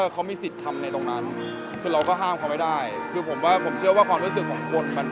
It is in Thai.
ตอนนี้ก็ยังไม่ได้เลยครับตอนนี้ก็ยังไม่ได้เลยครับตอนนี้ก็ยังไม่ได้เลยครับ